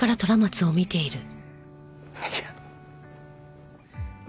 いや。